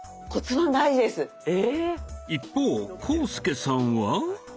一方浩介さんは。